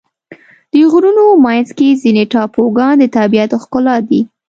د غرونو منځ کې ځینې ټاپوګان د طبیعت ښکلا دي.